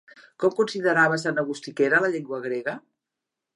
Com considerava Sant Agustí que era la llengua grega?